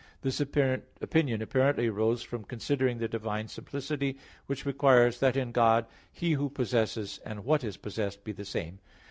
This opinion apparently arose from considering the divine simplicity, which requires that in God, He "who possesses" and "what is possessed" be the same.